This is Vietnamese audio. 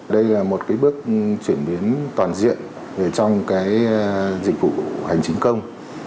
đây là một bước chuyển biến toàn diện trong dịch vụ hành chính công